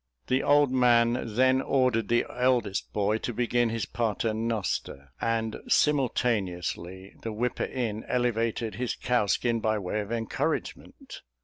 The old man then ordered the eldest boy to begin his Pater Noster; and simultaneously the whipper in elevated his cowskin by way of encouragement.